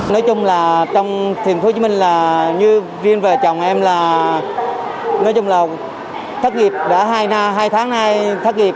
nói chung là trong thành phố hồ chí minh là như riêng vợ chồng em là nói chung là thất nghiệp đã hai tháng nay thất nghiệp